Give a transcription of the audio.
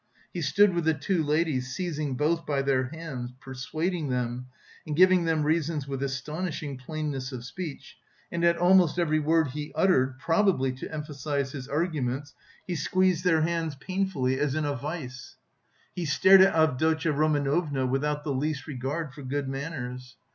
He stood with the two ladies, seizing both by their hands, persuading them, and giving them reasons with astonishing plainness of speech, and at almost every word he uttered, probably to emphasise his arguments, he squeezed their hands painfully as in a vise. He stared at Avdotya Romanovna without the least regard for good manners.